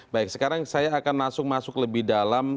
baik sekarang saya akan langsung masuk lebih dalam